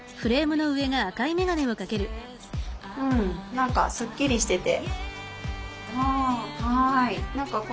何かすっきりしてて。